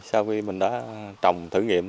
sau khi mình đã trồng thử nghiệm